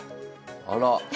あら。